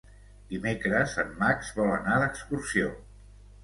Dimecres en Max vol anar d'excursió.